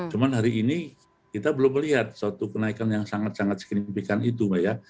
cuma hari ini kita belum melihat suatu kenaikan yang sangat sangat signifikan itu mbak ya